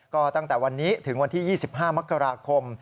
ก็ตั้งแต่วันนี้ถึงวันที่๒๕มกราคม